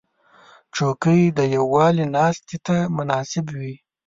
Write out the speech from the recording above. چوکۍ د یووالي ناستې ته مناسب وي.